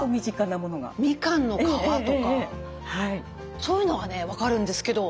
そういうのはね分かるんですけど。